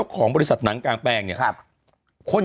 อาชีพของเขาทุกวันนี้คือสุริยาจันทราทองเป็นหนังกลางแปลงในบริษัทอะไรนะครับ